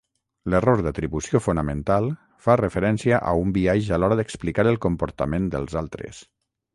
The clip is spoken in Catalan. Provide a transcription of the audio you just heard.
L'error d'atribució fonamental fa referència a un biaix a l'hora d'explicar els comportament dels altres.